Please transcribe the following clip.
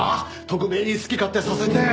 特命に好き勝手させて。